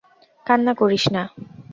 কান্না করিস না।